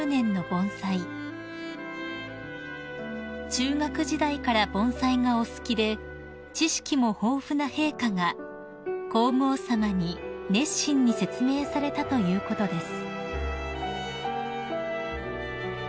［中学時代から盆栽がお好きで知識も豊富な陛下が皇后さまに熱心に説明されたということです］